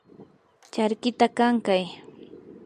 charkita kankay.